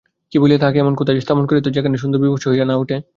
কী বলিয়া তাহাকে এমন-কোথায় স্থাপন করিতে পারে, যেখানে সুন্দর বীভৎস হইয়া না উঠে।